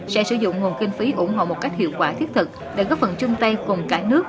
sẽ sử dụng nguồn kinh phí ủng hộ một cách hiệu quả thiết thực để góp phần chung tay cùng cả nước